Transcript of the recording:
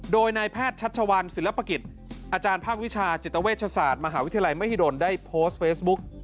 โดยนายแพทย์ชัชวัลศิลปกิจอาจารย์ภาควิชาจิตเวชศาสตร์มหาวิทยาลัยมหิดลได้โพสต์เฟซบุ๊ก